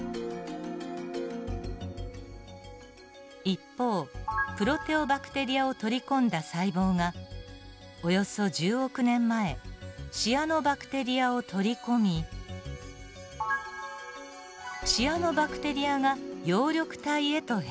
一方プロテオバクテリアを取り込んだ細胞がおよそ１０億年前シアノバクテリアを取り込みシアノバクテリアが葉緑体へと変化。